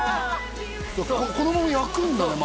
このまま焼くんだね